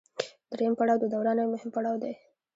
دریم پړاو د دوران یو مهم پړاو دی